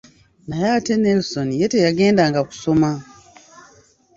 Naye ate Nelisoni ye teyagendanga kusoma.